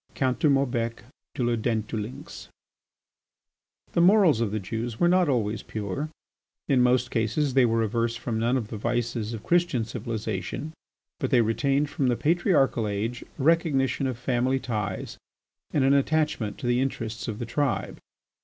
COUNT DE MAUBEC DE LA DENTDULYNX The morals of the Jews were not always pure; in most cases they were averse from none of the vices of Christian civilization, but they retained from the Patriarchal age a recognition of family, ties and an attachment to the interests of the tribe.